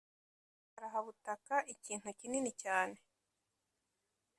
karahabutaka: ikintu kinini cyane.